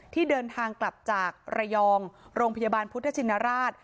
ที่เดินทางกลับจากระยองโรงพยาบาลพุทธชินราช